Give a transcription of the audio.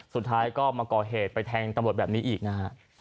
สุดท้ายก็มาก่อเหตุไปแทงตำรวจแบบนี้อีกนะฮะ